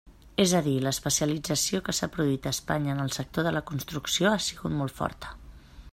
És a dir, l'especialització que s'ha produït a Espanya en el sector de la construcció ha sigut molt forta.